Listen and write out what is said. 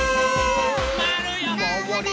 まわるよ。